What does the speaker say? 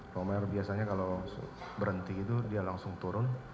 romer biasanya kalau berhenti gitu dia langsung turun